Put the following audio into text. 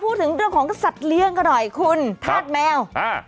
พูดถึงเรื่องของสัตว์เลี้ยงกันหน่อยคุณธาตุแมวอ่า